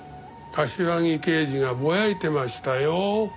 柏木刑事がぼやいてましたよ。